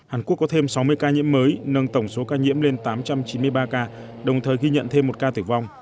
hàn quốc có thêm sáu mươi ca nhiễm mới nâng tổng số ca nhiễm lên tám trăm chín mươi ba ca đồng thời ghi nhận thêm một ca tử vong